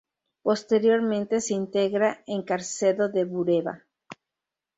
Posteriormente se integra en Carcedo de Bureba.